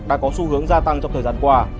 đã có xu hướng gia tăng trong thời gian qua